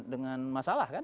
dengan masalah kan